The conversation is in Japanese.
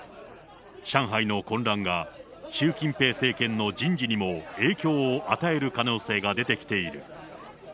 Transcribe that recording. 上海の混乱が習近平政権の人事にも影響を与える可能性が出てきている。